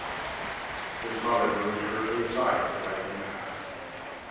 His mother moved curtly aside to let him pass.